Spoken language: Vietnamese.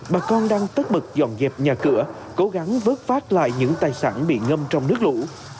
bà con đang tất bật dọn dẹp nhà cửa cố gắng vớt phát lại những tài sản bị ngâm trong nước lũ